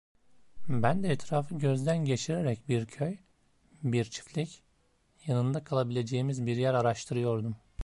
Ben de etrafı gözden geçirerek bir köy, bir çiftlik, yanında kalabileceğimiz bir yer araştırıyordum.